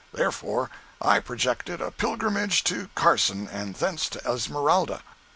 Therefore I projected a pilgrimage to Carson and thence to Esmeralda.